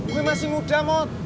gue masih muda mot